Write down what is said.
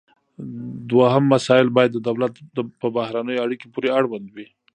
دوهم مسایل باید د دولت په بهرنیو اړیکو پورې اړوند وي